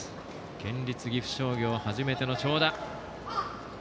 県立岐阜商業、初めての長打。